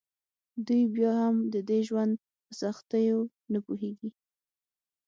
دوی بیا هم د دې ژوند په سختیو نه پوهیږي